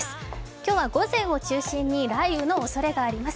今日は午前を中心に雷雨のおそれがあります。